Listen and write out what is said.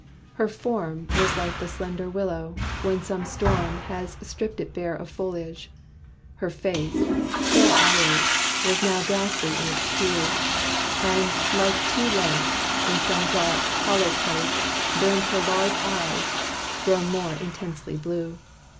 Her form Was like the slendor willow, when some storm Has stripped it bare of foliage. Her face, Pale always, now was ghastly in its hue: And, like two lamps, in some dark, hollow place, Burned her large eyes, grown more intensely blue.